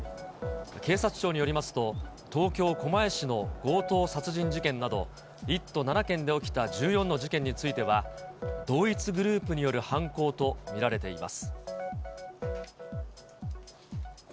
警察庁によりますと、東京・狛江市の強盗殺人事件など、１都７県で起きた１４の事件については、同一グループによる犯行と見られています。